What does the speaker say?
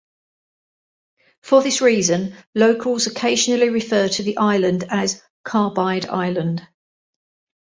For this reason, locals occasionally refer to the island as "Carbide Island".